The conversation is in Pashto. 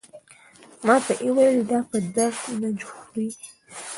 ماته یې وویل دا په درد نه خوري.